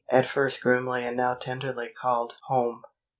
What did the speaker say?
at first grimly and now tenderly called "home."